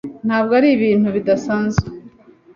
Ntabwo ari ibintu bidasanzwe,